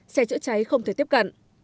xe chữa cháy không thể tiếp cận